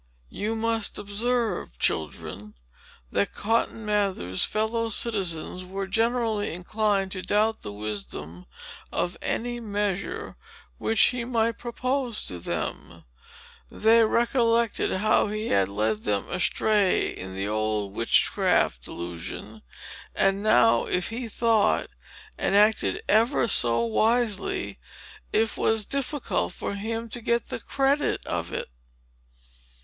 You must observe, children, that Cotton Mather's fellow citizens were generally inclined to doubt the wisdom of any measure, which he might propose to them. They recollected how he had led them astray in the old witchcraft delusion; and now, if he thought and acted ever so wisely, it was difficult for him to get the credit of it.